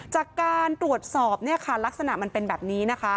จากการตรวจสอบลักษณะมันเป็นแบบนี้